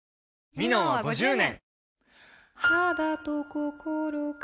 「ミノン」は５０年！